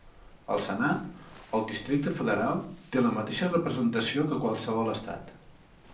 Al Senat, el Districte Federal té la mateixa representació que qualsevol estat.